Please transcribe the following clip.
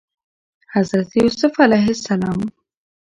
حضرت يوسف ع